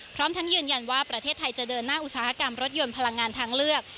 พร้อมทั้งยืนยันว่าประเทศไทยจะเดินหน้าอุตสาหกรรมรถยนต์พลังงานทางเลือก